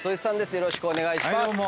よろしくお願いします。